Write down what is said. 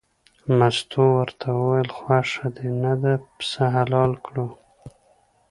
مستو ورته وویل خوښه دې نه ده پسه حلال کړو.